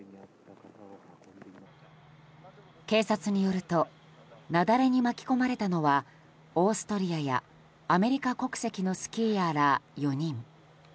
警察によると雪崩に巻き込まれたのはオーストリアやアメリカ国籍のスキーヤーら４人。